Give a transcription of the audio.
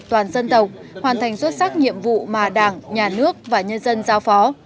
toàn dân tộc hoàn thành xuất sắc nhiệm vụ mà đảng nhà nước và nhân dân giao phó